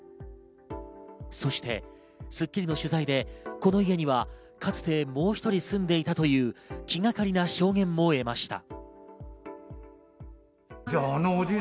そして『スッキリ』の取材でこの家にはかつてもう１人住んでいたという気がかりな証言も得ました。